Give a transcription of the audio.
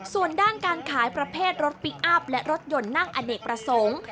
ส่วนด้านการขายประเภทรถพลิกอัพและรถยนต์นั่งอเนกประสงค์